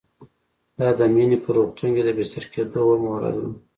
دا د مينې په روغتون کې د بستر کېدو اوومه ورځ وه